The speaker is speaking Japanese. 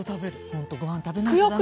本当ご飯食べないと駄目よ。